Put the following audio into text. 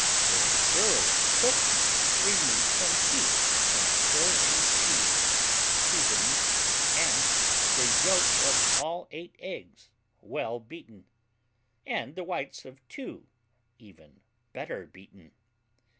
When thoroughly cooked, remove from heat and stir in cheese, seasonings and the yolks of all 8 eggs, well beaten, and the whites of 2 even better beaten.